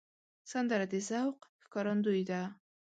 سندره د ذوق ښکارندوی ده